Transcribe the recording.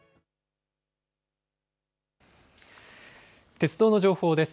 鉄道の情報です。